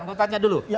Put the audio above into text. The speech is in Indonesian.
mau tanya dulu